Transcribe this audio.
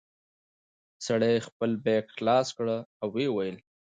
سړي خپل بېګ خلاص کړ ويې ويل.